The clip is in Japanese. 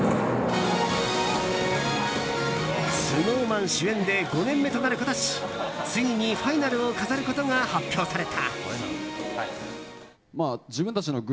ＳｎｏｗＭａｎ主演で５年目となる今年ついにファイナルを飾ることが発表された。